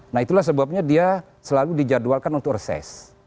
nah itulah sebabnya dia selalu dijadwalkan untuk reses